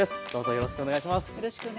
よろしくお願いします。